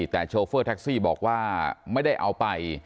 แต่โชเฟอร์แท็กซี่บอกว่าไม่ได้เอาไป